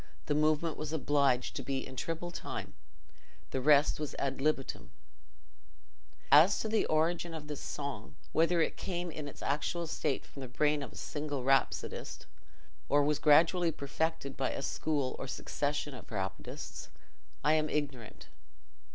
The movement was obliged to be in triple time; the rest was ad libitum. As to the origin of this song—whether it came in its actual state from the brain of a single rhapsodist, or was gradually perfected by a school or succession of rhapsodists, I am ignorant.